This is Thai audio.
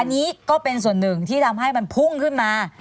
อันนี้ก็เป็นส่วนหนึ่งที่ทำให้มันพุ่งขึ้นมา